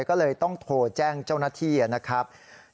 ก็เลยต้องโทรแจ้งเจ้าหน้าที่นะครับ